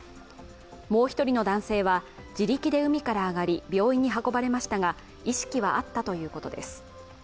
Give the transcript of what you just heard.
もう１人の男性は自力で海から上がり病院に運ばれましたが、意識はあったということです。